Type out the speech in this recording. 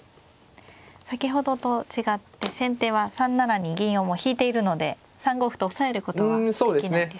先ほどと違って先手は３七に銀をもう引いているので３五歩と押さえることはできないですね。